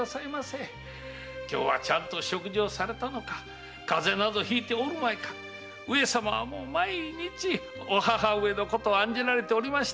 今日はちゃんと食事をされたのか風邪などひいておるまいか上様は毎日お母上のことを案じられておりましてな。